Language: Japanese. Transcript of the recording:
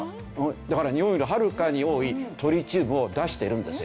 だから日本よりはるかに多いトリチウムを出してるんですよ。